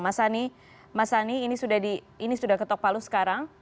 mas ani ini sudah ketok palu sekarang